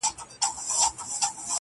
پاچا مخكي ورپسې سل نوكران وه؛